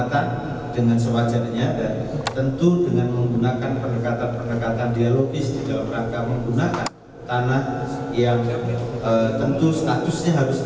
tanah tentu statusnya harus lebih jelas